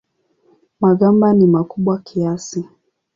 Magamba ni makubwa kiasi.